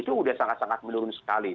itu sudah sangat sangat menurun sekali